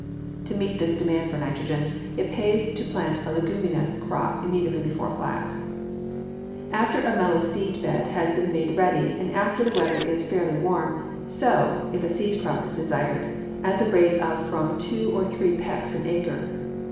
To meet this demand for nitrogen, it pays to plant a leguminous crop immediately before flax. [Illustration: FIG. 218. FLAX] After a mellow seed bed has been made ready and after the weather is fairly warm, sow, if a seed crop is desired, at the rate of from two to three pecks an acre.